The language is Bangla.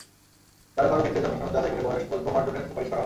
কারও কারও ক্ষেত্রে জন্মসনদ যাচাই করে বয়স প্রমার্জনের সুপারিশ করা হয়।